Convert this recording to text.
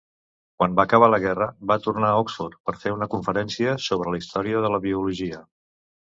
Quan va acabar la guerra, va tornar a Oxford per fer una conferència sobre la història de la biologia.